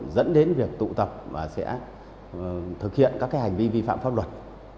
dẫn đến việc tụ tập và sẽ thực hiện các hành vi vi phạm pháp luật